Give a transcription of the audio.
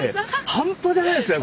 半端じゃないですよね